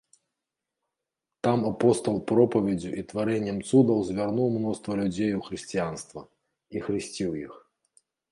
Там апостал пропаведдзю і тварэннем цудаў звярнуў мноства людзей у хрысціянства і хрысціў іх.